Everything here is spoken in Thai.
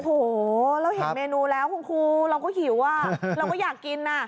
โอ้โหเราเห็นเมนูแล้วคุณครูเราก็หิวเราก็อยากกินน่ะ